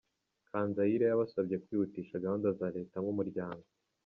Kanzayire yabasabye kwihutisha gahunda za leta nk’umuryango.